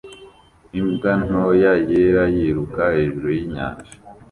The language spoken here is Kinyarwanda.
Imbwa ntoya yera yiruka hejuru yinyanja